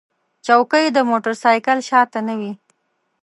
چوکۍ د موټر سایکل شا ته نه وي.